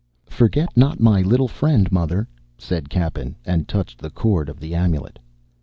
"Forget not my little friend, mother," said Cappen, and touched the cord of the amulet.